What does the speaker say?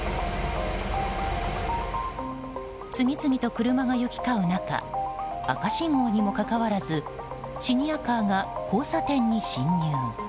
次々と車が行き交う中赤信号にもかかわらずシニアカーが交差点に進入。